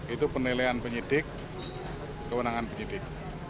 itu penilaian penyelidik kewenangan penyelidik